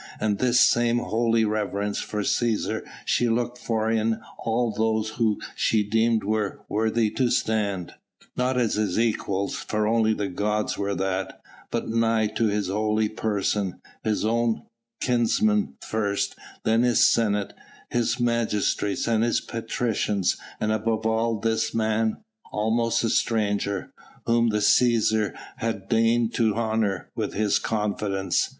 And this same holy reverence for Cæsar she looked for in all those who she deemed were worthy to stand not as his equals, for only the gods were that but nigh to his holy person his own kinsmen first, then his Senate, his magistrates, and his patricians, and above all this man almost a stranger whom the Cæsar had deigned to honour with his confidence.